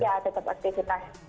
ya tetap aktivitas